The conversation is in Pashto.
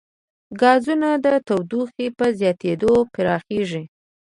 ګازونه د تودوخې په زیاتېدو پراخېږي.